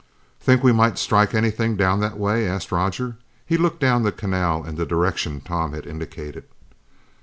"Think we might strike anything down that way," asked Roger. He looked down the canal in the direction Tom had indicated.